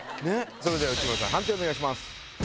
それでは内村さん判定をお願いします。